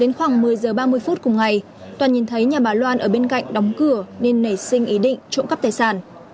đến khoảng một mươi giờ ba mươi phút cùng ngày toàn nhìn thấy nhà bà loan ở bên cạnh đóng cửa nên nảy sinh ý định trộm cắp tài sản